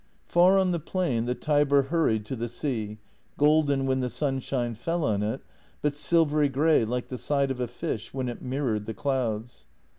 Far on the plain the Tiber hurried to the sea, golden when the sunshine fell on it, but silvery grey like the side of a fish when it mirrored the clouds.